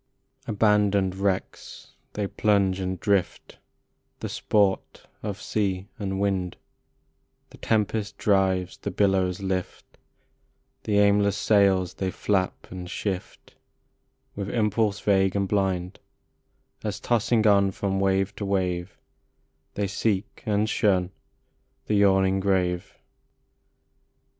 BANDONED wrecks they plunge and drift, The sport of sea and wind, The tempest drives, the billows lift, The aimless sails they flap and shift With impulse vague and blind, As tossing on from wave to wave They seek and shun the yawning grave.